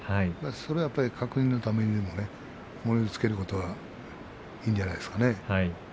それをやっぱり確認のために物言いをつけることはいいんじゃないですかね。